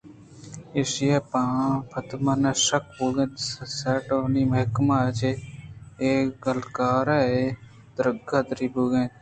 ایشی ءَ پدمن ءَ شک بوت کہ سارڈونی ء ِ محکمہ ءَ چہ اے کاگد ءِ درگت ءَ ردی ئے بوتگ